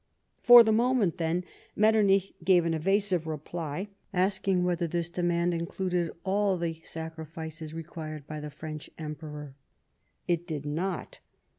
For the moment, then, Metternich gave an evasive reply, asking whether this demand included all the sacrifices required by the French Emperor. TEE WAR OF 1809. 57 It did not.